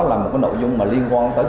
là một cái nội dung mà liên quan tới